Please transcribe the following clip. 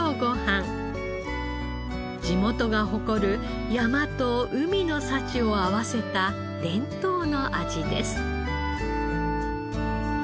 地元が誇る山と海の幸を合わせた伝統の味です。